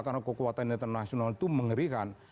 karena kekuatan internasional itu mengerikan